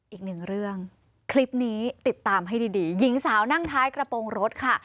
อีกหนึ่งเรื่องคลิปนี้ติดตามให้ดีหญิงสาวนั่งท้ายกระโปรงรถค่ะ